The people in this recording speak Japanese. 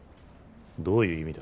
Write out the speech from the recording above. どういう意味だ？